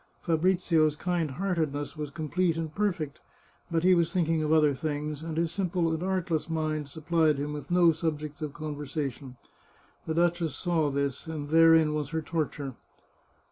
Fa brizio's kind heartedness was complete and perfect, but he was thinking of other things, and his simple and artless mind supplied him with no subjects of conversation. The duchess saw this, and therein was her torture.